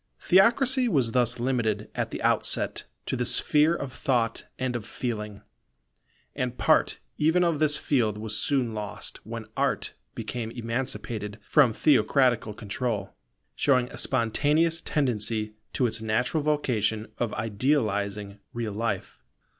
Theocracy was thus limited at the outset to the sphere of thought and of feeling; and part even of this field was soon lost when Art became emancipated from theocratical control, showing a spontaneous tendency to its natural vocation of idealizing real life.